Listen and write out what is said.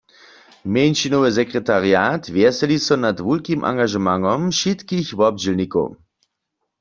Mjeńšinowy sekretariat wjeseli so nad wulkim angažementom wšitkich wobdźělnikow.